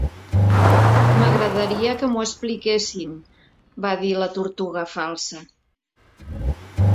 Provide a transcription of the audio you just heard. "M'agradaria que m'ho expliquessin", va dir la Tortuga Falsa.